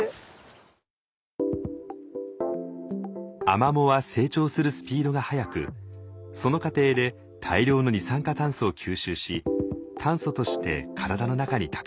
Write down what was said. アマモは成長するスピードが速くその過程で大量の二酸化炭素を吸収し炭素として体の中に蓄えます。